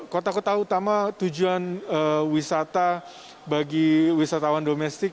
kota kota utama tujuan wisata bagi wisatawan domestik